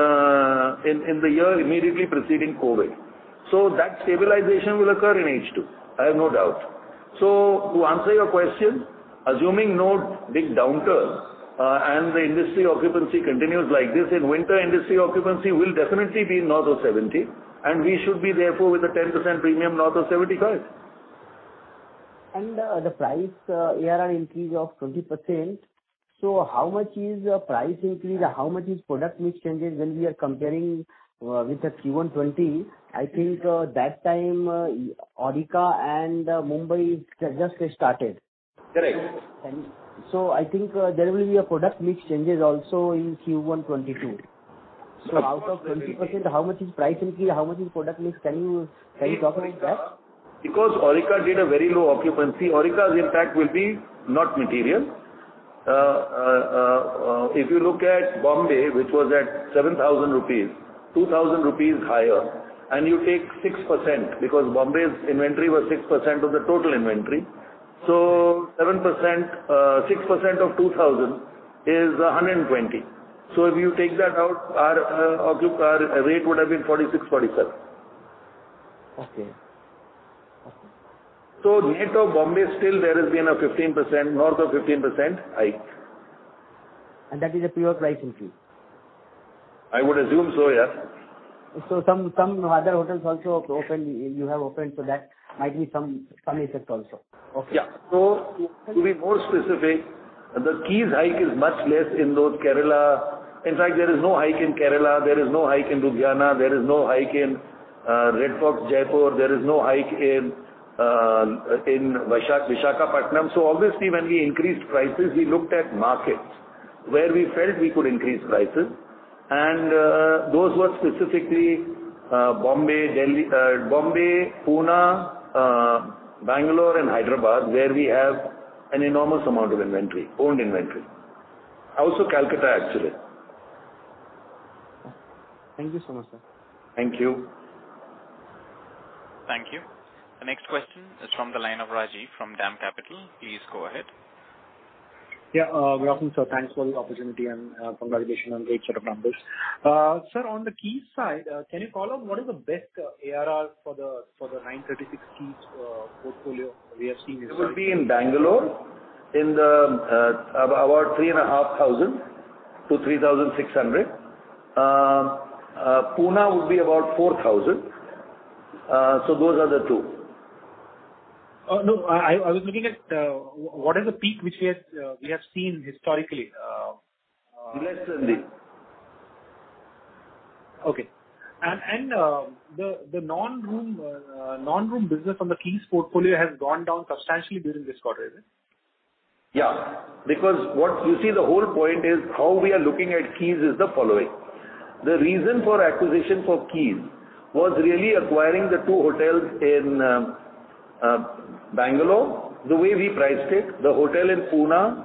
the year immediately preceding COVID. To answer your question, assuming no big downturn, and the industry occupancy continues like this, in winter industry occupancy will definitely be north of 70%, and we should be therefore with a 10% premium, north of 75%. The price ARR increase of 20%, so how much is your price increase? How much is product mix changes when we are comparing with the Q1 2020? I think that time Aurika and Mumbai just had started. Correct. I think there will be a product mix changes also in Q1 2022. Out of 20%, how much is price increase, how much is product mix? Can you talk about that? Because Aurika did a very low occupancy. Aurika's impact will not be material. If you look at Mumbai, which was at 7,000 rupees, 2,000 rupees higher, and you take 6% because Mumbai's inventory was 6% of the total inventory. 6% of 2,000 is 120. If you take that out, our rate would have been 46-47. Okay. Net of Bombay, still there has been a 15%, north of 15% hike. That is a pure price increase? I would assume so, yeah. Some other hotels also have opened, you have opened, so that might be some effect also. Okay. Yeah. To be more specific, the Keys hike is much less in those Kerala. In fact, there is no hike in Kerala. There is no hike in Ludhiana. There is no hike in Red Fox, Jaipur. There is no hike in Visakhapatnam. Obviously, when we increased prices, we looked at markets where we felt we could increase prices, and those were specifically Bombay, Delhi, Bombay, Pune, Bangalore and Hyderabad, where we have an enormous amount of inventory, owned inventory. Also Calcutta, actually. Thank you so much, sir. Thank you. Thank you. The next question is from the line of Rajiv from DAM Capital. Please go ahead. Good afternoon, sir. Thanks for the opportunity and congratulations on great set of numbers. Sir, on the Keys side, can you tell what is the best ARR for the 936 Keys portfolio we have seen this year? It will be in Bangalore in the about 3,500-3,600. Pune would be about 4,000. Those are the two. Oh, no. I was looking at what is the peak which we have seen historically? Less than this. Okay. The non-room business from the Keys portfolio has gone down substantially during this quarter, is it? Yeah. You see the whole point is how we are looking at Keys is the following. The reason for acquisition for Keys was really acquiring the two hotels in Bengaluru, the way we priced it, the hotel in Pune,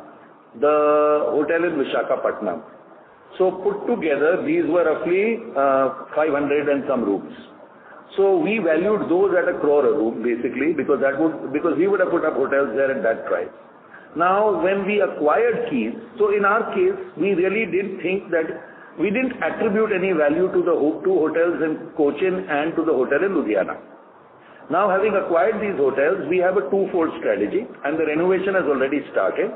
the hotel in Visakhapatnam. Put together, these were roughly 500 and some rooms. We valued those at 1 crore a room, basically, because we would have put up hotels there at that price. Now, when we acquired Keys, in our case, we really did think that we didn't attribute any value to the two hotels in Cochin and to the hotel in Ludhiana. Now, having acquired these hotels, we have a two-fold strategy, and the renovation has already started.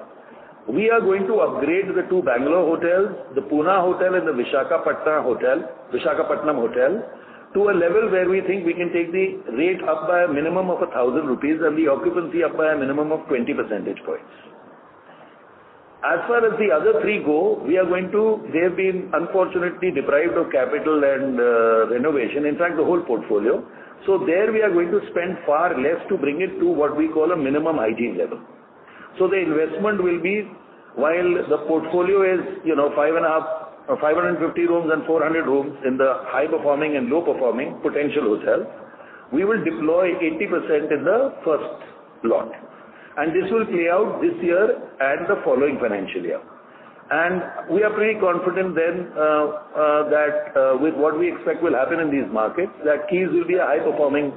We are going to upgrade the two Bangalore hotels, the Pune hotel and the Visakhapatnam hotel, to a level where we think we can take the rate up by a minimum of 1,000 rupees and the occupancy up by a minimum of 20 percentage points. As far as the other three go, they have been unfortunately deprived of capital and renovation, in fact, the whole portfolio. There we are going to spend far less to bring it to what we call a minimum LT level. The investment will be while the portfolio is, you know, 550 rooms and 400 rooms in the high performing and low performing potential hotels, we will deploy 80% in the first lot. This will play out this year and the following financial year. We are pretty confident then that with what we expect will happen in these markets, that Keys will be a high performing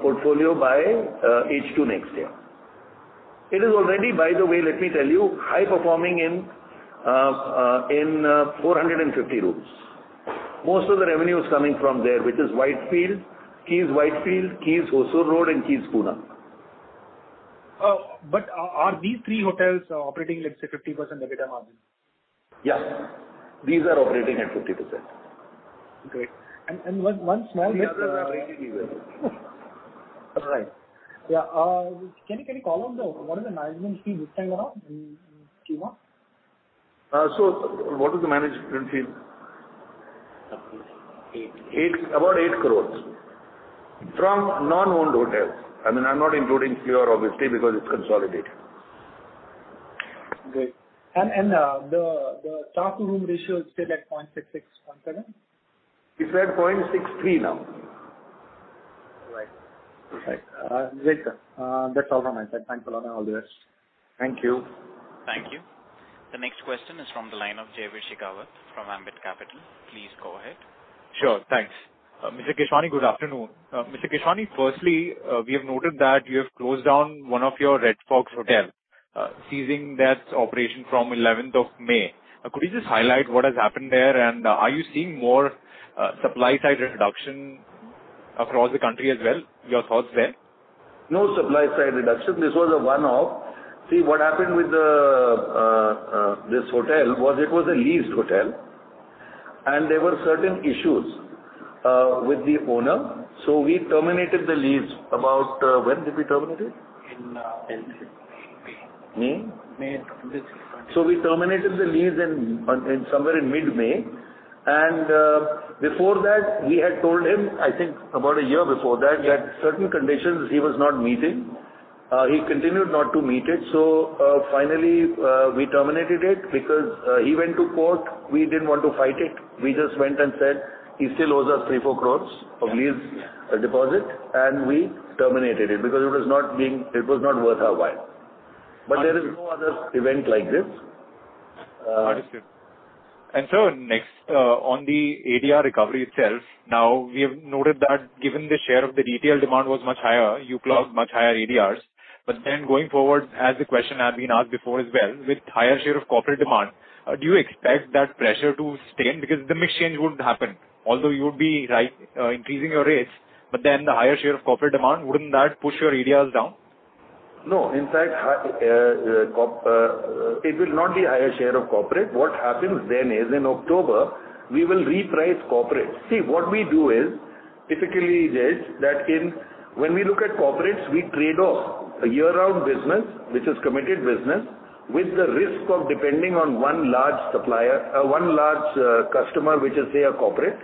portfolio by H2 next year. It is already, by the way, let me tell you, high performing in 450 rooms. Most of the revenue is coming from there, which is Whitefield, Keys Whitefield, Keys Hosur Road, and Keys Pune. Are these three hotels operating, let's say, 50% EBITDA margin? Yeah. These are operating at 50%. Great. One small bit. The others are breaking even. Right. Yeah. Can you follow up on what is the management fee this time around in Q1? What is the management fee? Eight. 8 crore, about 8 crore from non-owned hotels. I mean, I'm not including Fleur obviously because it's consolidated. Great. The staff to room ratio is still at 0.66-0.7? It's at 0.63 now. Right. Great, sir. That's all from my side. Thanks a lot and all the best. Thank you. Thank you. The next question is from the line of Jaiveer Shekhawat from Ambit Capital. Please go ahead. Sure. Thanks. Mr. Keswani, good afternoon. Mr. Keswani, firstly, we have noted that you have closed down one of your Red Fox Hotel, ceasing that operation from eleventh of May. Could you just highlight what has happened there? Are you seeing more, supply-side reduction across the country as well? Your thoughts there. No supply side reduction. This was a one-off. See, what happened with this hotel was a leased hotel. There were certain issues with the owner, so we terminated the lease about when did we terminate it? In mid-May. May? May. We terminated the lease in somewhere in mid-May. Before that we had told him, I think about a year before that, we had certain conditions he was not meeting. He continued not to meet it. Finally, we terminated it because he went to court. We didn't want to fight it. We just went and said he still owes us 3-4 crores of lease deposit, and we terminated it because it was not worth our while. There is no other event like this. Understood. Sir, next, on the ADR recovery itself, now we have noted that given the share of the retail demand was much higher, you plugged much higher ADRs. Going forward, as the question has been asked before as well, with higher share of corporate demand, do you expect that pressure to stay in because the mix change wouldn't happen, although you'd be, like, increasing your rates, but then the higher share of corporate demand, wouldn't that push your ADRs down? No. In fact, it will not be higher share of corporate. What happens then is in October we will reprice corporate. See, what we do is, typically is that when we look at corporates, we trade off a year-round business, which is committed business, with the risk of depending on one large supplier, one large customer, which is, say, a corporate,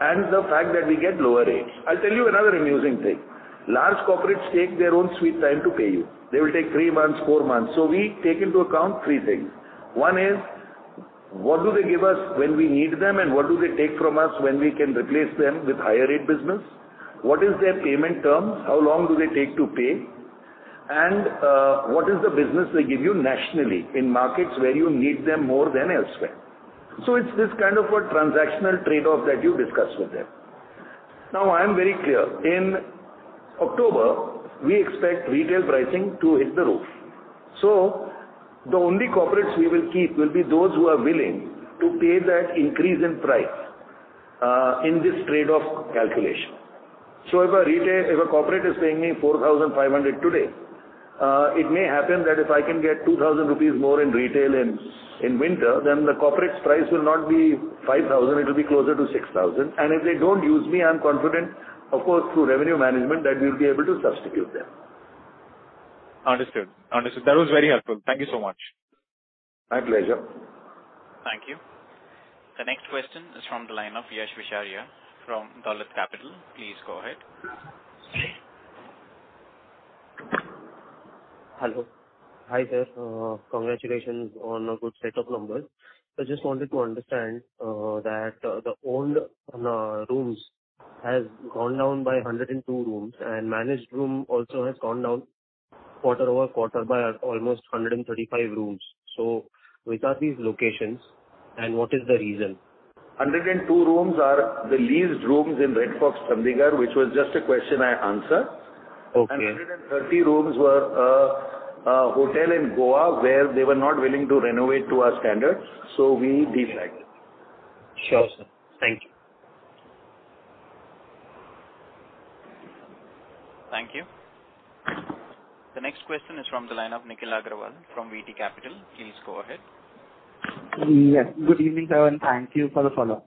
and the fact that we get lower rates. I'll tell you another amusing thing. Large corporates take their own sweet time to pay you. They will take three months, four months. We take into account three things. One is what do they give us when we need them, and what do they take from us when we can replace them with higher rate business? What is their payment terms? How long do they take to pay? What is the business they give you nationally in markets where you need them more than elsewhere? It's this kind of a transactional trade-off that you discuss with them. Now I am very clear. In October, we expect retail pricing to hit the roof, so the only corporates we will keep will be those who are willing to pay that increase in price, in this trade-off calculation. If a corporate is paying me 4,500 today, it may happen that if I can get 2,000 rupees more in retail in winter, then the corporate's price will not be 5,000, it'll be closer to 6,000. If they don't use me, I'm confident, of course, through revenue management, that we'll be able to substitute them. Understood. That was very helpful. Thank you so much. My pleasure. Thank you. The next question is from the line of Yash Visharia from Dolat Capital. Please go ahead. Hello. Hi there. Congratulations on a good set of numbers. I just wanted to understand that the owned rooms has gone down by 102 rooms, and managed room also has gone down quarter-over-quarter by almost 135 rooms. Which are these locations, and what is the reason? 102 rooms are the leased rooms in Red Fox, Chandigarh, which was just a question I answered. Okay. A 130-room hotel in Goa where they were not willing to renovate to our standards, so we deflagged it. Sure, sir. Thank you. Thank you. The next question is from the line of Nikhil Agarwal from VT Capital. Please go ahead. Yes. Good evening, sir, and thank you for the follow.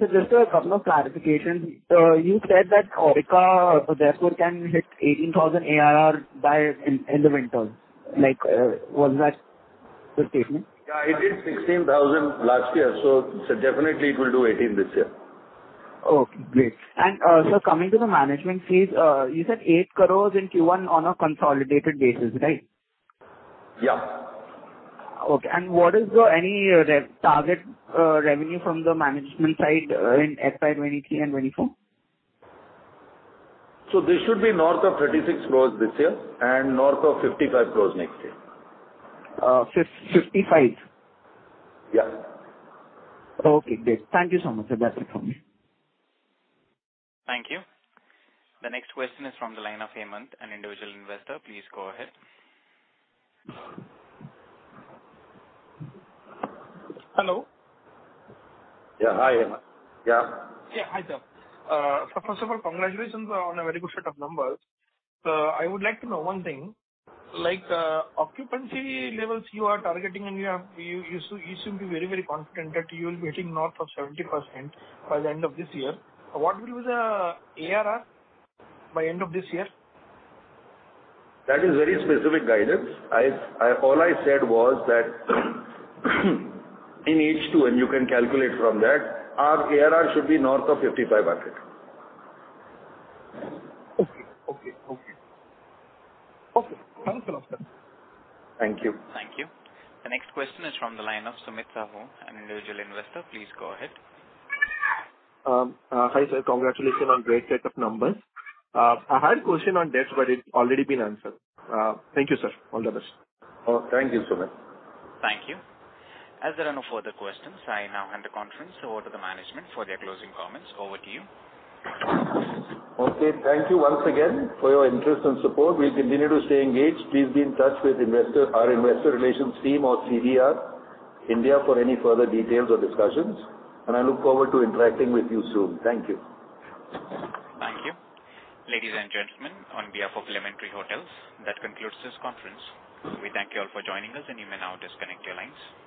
Just a couple of clarifications. You said that Aurika therefore can hit 18,000 ARR by in the winter. Like, was that the statement? Yeah. It did 16,000 last year, so definitely it will do 18,000 this year. Okay, great. Sir, coming to the management fees, you said 8 crore in Q1 on a consolidated basis, right? Yeah. What is the annual revenue target from the management side in FY 2023 and 2024? This should be north of 36 crores this year and north of 55 crores next year. 55? Yeah. Okay, great. Thank you so much, sir. That's it from me. Thank you. The next question is from the line of Hemant, an individual investor. Please go ahead. Hello. Yeah, hi, Hemant. Yeah. Yeah, hi, sir. First of all, congratulations on a very good set of numbers. I would like to know one thing. Occupancy levels you are targeting and you seem to be very, very confident that you'll be hitting north of 70% by the end of this year. What will be the ARR by end of this year? That is very specific guidance. All I said was that in H2, and you can calculate from that, our ARR should be north of INR 5,500. Okay. Thanks a lot, sir. Thank you. Thank you. The next question is from the line of Sumit Sahu, an individual investor. Please go ahead. Hi, sir. Congratulations on great set of numbers. I had a question on debt, but it's already been answered. Thank you, sir. All the best. Oh, thank you, Sumit. Thank you. As there are no further questions, I now hand the conference over to the management for their closing comments. Over to you. Okay. Thank you once again for your interest and support. We'll continue to stay engaged. Please be in touch with our investor relations team or CDR India for any further details or discussions, and I look forward to interacting with you soon. Thank you. Thank you. Ladies and gentlemen, on behalf of Lemon Tree Hotels, that concludes this conference. We thank you all for joining us, and you may now disconnect your lines.